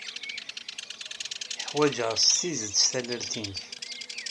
Ḥwajeɣ s tidet tallalt-nnek.